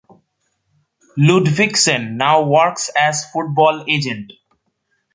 Ludvigsen now works as football agent.